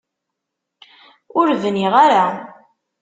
Ur bniɣ ara.